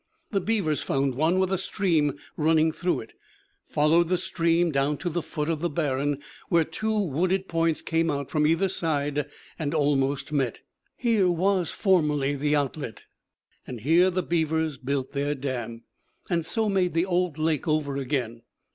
The beavers found one with a stream running through it; followed the stream down to the foot of the barren, where two wooded points came out from either side and almost met. Here was formerly the outlet; and here the beavers built their dam, and so made the old lake over again.